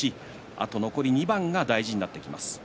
あと残り２番が大事になってきます。